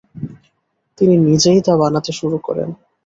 তিনি নিজেই তা বানাতে শুরু করেন।